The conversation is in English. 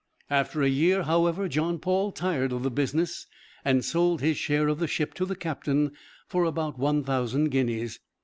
After a year, however, John Paul tired of the business, and sold his share of the ship to the captain for about one thousand guineas.